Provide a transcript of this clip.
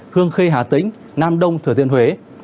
hương khê hà tĩnh nam đông thừa thiện huế